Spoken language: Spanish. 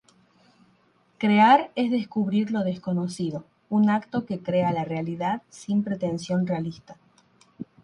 Crear es descubrir lo desconocido, un acto que crea la realidad sin pretensión realista.